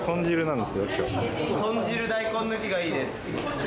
豚汁大根抜きがいいです！